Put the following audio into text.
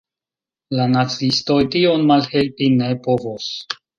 La naciistoj tion malhelpi ne povos.